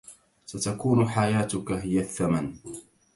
ستكون حياتك هي الثّمن.